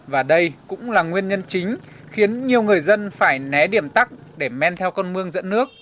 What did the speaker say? và đây cũng là nguyên nhân chính khiến nhiều người dân phải né điểm tắc để men theo con mương dẫn nước